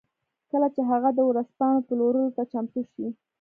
کله چې هغه د ورځپاڼو پلورلو ته چمتو شي